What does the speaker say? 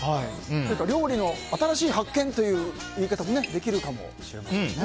料理の新しい発見という言い方もできるかもしれませんね。